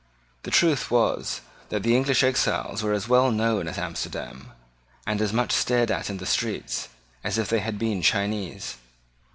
The truth was that the English exiles were as well known at Amsterdam, and as much stared at in the streets, as if they had been Chinese.